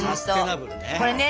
これね